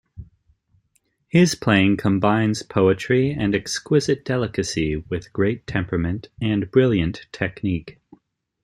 His playing combines poetry and exquisite delicacy with great temperament and brilliant technique.